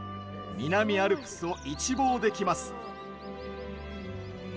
南アルプスを一望できます。